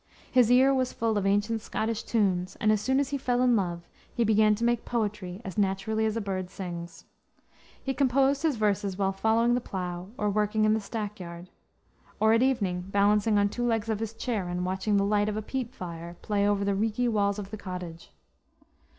His ear was full of ancient Scottish tunes, and as soon as he fell in love he began to make poetry as naturally as a bird sings. He composed his verses while following the plow or working in the stack yard; or, at evening, balancing on two legs of his chair and watching the light of a peat fire play over the reeky walls of the cottage.